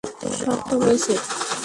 সব তোমার জন্য হয়েছে।